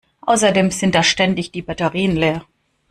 Außerdem sind da ständig die Batterien leer.